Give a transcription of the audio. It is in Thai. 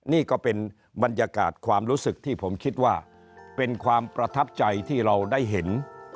นี่ก็เป็นบรรยากาศความรู้สึกที่ผมคิดว่าเป็นความประทับใจที่เราได้เห็น